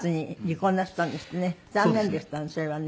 残念でしたねそれはね。